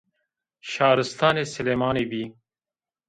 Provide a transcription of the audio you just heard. Şaristanê Silêmanî bî